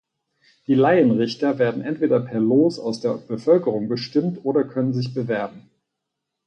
Die Laienrichter werden entweder per Los aus der Bevölkerung bestimmt oder können sich bewerben.